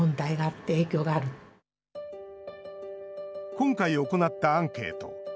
今回行ったアンケート。